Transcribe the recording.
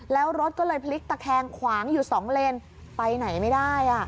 แล้วรถก็เลยพลิกตะแคงขวางอยู่สองเลนไปไหนไม่ได้